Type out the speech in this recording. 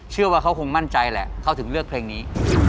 เชื่อว่าเขาคงมั่นใจแหละเขาถึงเลือกเพลงนี้